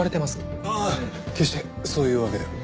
ああ決してそういうわけでは。